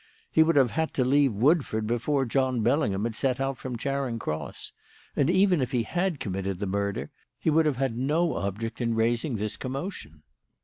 He would have had to leave Woodford before John Bellingham had set out from Charing Cross. And even if he had committed the murder, he would have had no object in raising this commotion.